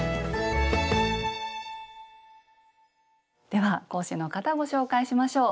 では講師の方をご紹介しましょう。